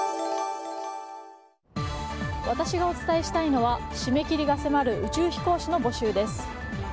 私がお伝えしたいのは締め切りが迫る宇宙飛行士の募集です。